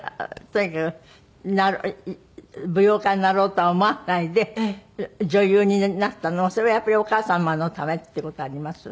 とにかく舞踊家になろうとは思わないで女優になったのはそれはやっぱりお母様のためっていう事あります？